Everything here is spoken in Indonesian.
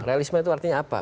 realisme itu artinya apa